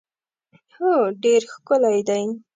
هو ډېر ښکلی دی.